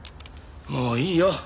もういいよ。